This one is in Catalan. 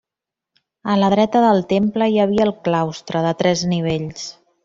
A la dreta del temple hi havia el claustre, de tres nivells.